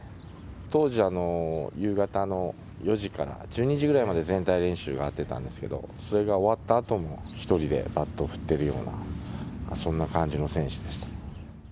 当時、夕方の４時から１２時ぐらいまで全体練習やってたんですけど、それが終わったあとも１人でバットを振っているような、そんな感じの選手でした。